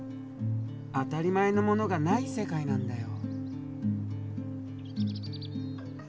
当たり前のものがない世界なんだよ。